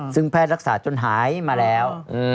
ซึ่งแพทย์รักษาจนหายมาแล้ว